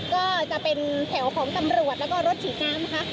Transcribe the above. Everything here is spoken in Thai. ก็จะเป็นแถวของตำรวจแล้วก็รถฉีดน้ำนะคะ